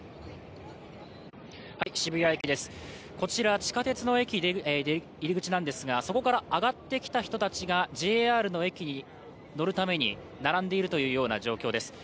渋谷駅です、こちら、地下鉄の入り口なんですがそこから上がってきた人たちがＪＲの駅に乗るために並んでいるというような状況です。